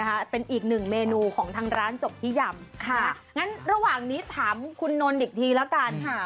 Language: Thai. อีกนะครับอีกหนึ่งเมนูของทางร้านจบที่ยัมยามค่ะอันนั้นระหว่างนี้ถามคุณนนท์อีกทีละกันฮะ